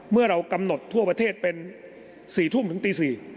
เมื่อเรากำหนดทั่วประเทศเป็น๔ทุ่มถึงตี๔